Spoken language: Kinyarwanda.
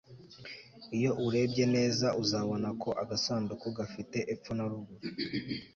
iyo urebye neza, uzabona ko agasanduku gafite epfo na ruguru